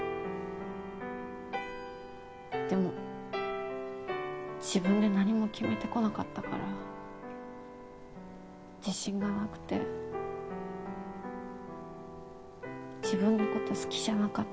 でも自分で何も決めてこなかったから自信がなくて自分の事好きじゃなかった。